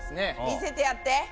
見せてやって。